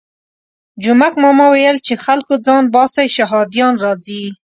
جومک ماما ویل چې خلکو ځان باسئ شهادیان راځي.